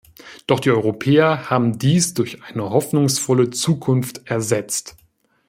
Doch die Europäer haben dies durch eine hoffnungsvolle Zukunft ersetzt.